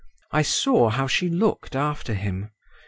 I saw how she looked after him.